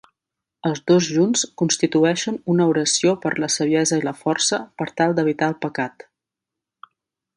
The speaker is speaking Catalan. Els dos junts constitueixen una oració per la saviesa i la força per tal d"evitar el pecat.